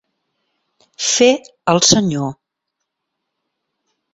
Fer el senyor.